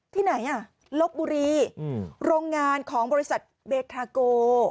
ที่ไหนอ่ะลบบุรีโรงงานของบริษัทเบทาโก